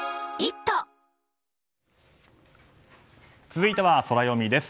続いてはソラよみです。